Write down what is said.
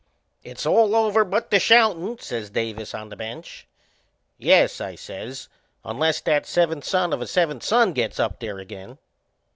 "It's all over but the shoutin'!" says Davis on the bench. "Yes," I says, "unless that seventh son of a seventh son gets up there again."